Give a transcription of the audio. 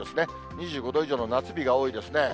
２５度以上の夏日が多いですね。